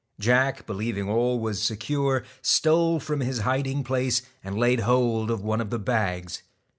Jack, believing all was secure, stole from his hiding place, and laid hold of one of the bags.